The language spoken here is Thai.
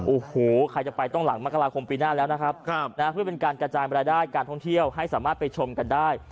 โอ้โหใครจะไปต้องหลังมกราคมปีหน้าแล้วนะครับนะเพื่อเป็นการกระจายรายได้การท่องเที่ยวให้สามารถไปชมกันได้